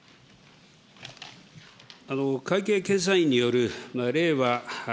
会計検査院による令和